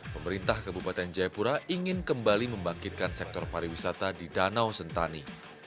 pemerintah kabupaten jayapura ingin kembali membangkitkan sektor pariwisata di danau sentani